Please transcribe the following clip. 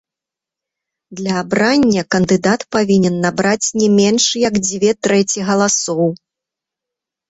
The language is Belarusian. Для абрання кандыдат павінен набраць не менш як дзве трэці галасоў.